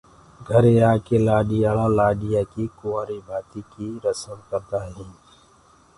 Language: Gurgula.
گھري آ ڪي لآڏآݪآ لآڏيآ ڪي ڪُنٚوآري ڀآتي ڪي رسم ڪردآ هينٚ۔